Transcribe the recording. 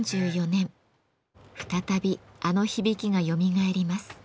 再びあの響きがよみがえります。